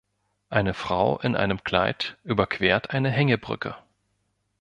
Eine Frau in einem Kleid überquert eine Hängebrücke.